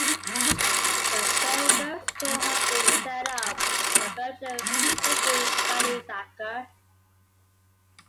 The very first store had been set up by the Belgian Frederik Van Isacker.